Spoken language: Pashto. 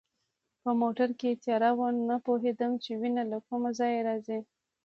په موټر کې تیاره وه، نه پوهېدم چي وینه له کومه ځایه راځي.